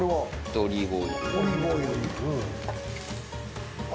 オリーブオイル。